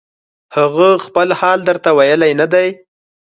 هغه خپل حال درته ویلی نه دی